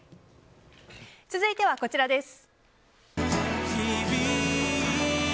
続いてはこちらです。